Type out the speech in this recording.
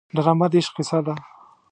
ډرامه د عشق کیسه ده